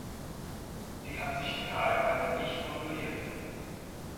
Die hat sich die Haare heute nicht onduliert.